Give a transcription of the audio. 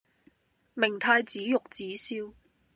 明太子玉子燒